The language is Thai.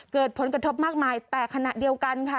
เกิดผลกระทบมากมายแต่ขณะเดียวกันค่ะ